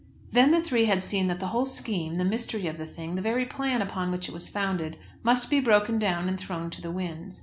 Then the three had seen that the whole scheme, the mystery of the thing, the very plan upon which it was founded, must be broken down and thrown to the winds.